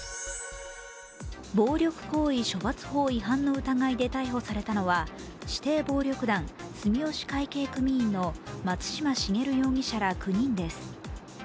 暴力行為処罰法違反の疑いで逮捕されたのは指定暴力団・住吉会系組員の松嶋重容疑者ら９人です。